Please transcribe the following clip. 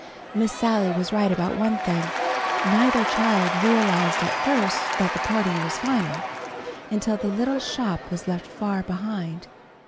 Miss Sally was right about one thing. Neither child realized at first that the parting was final, until the little shop was left far behind.